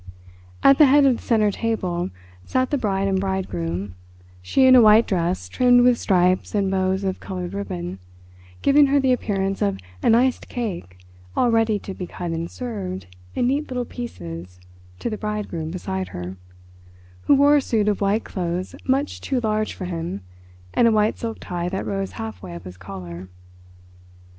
At the head of the centre table sat the bride and bridegroom, she in a white dress trimmed with stripes and bows of coloured ribbon, giving her the appearance of an iced cake all ready to be cut and served in neat little pieces to the bridegroom beside her, who wore a suit of white clothes much too large for him and a white silk tie that rose halfway up his collar.